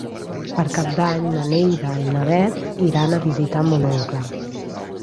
Per Cap d'Any na Neida i na Bet iran a visitar mon oncle.